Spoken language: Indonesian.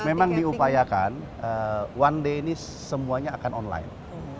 memang diupayakan one day ini semuanya akan online